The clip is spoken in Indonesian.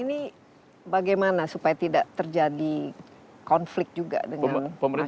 ini bagaimana supaya tidak terjadi konflik juga dengan masyarakat